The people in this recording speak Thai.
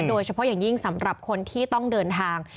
โดยเฉพาะอย่างยิ่งสำหรับคนที่ต้องเดินทาง